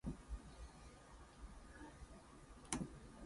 Anders Hovden was married twice and was the father of ten children.